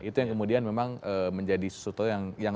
itu yang kemudian memang menjadi sesuatu yang